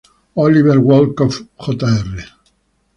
Oliver Wolcott Jr.